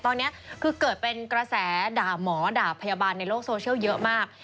ตอนนี้คือเกิดเป็นกระแสด่าหมอด่าพยาบาลในโลกโซเชียลเยอะมาก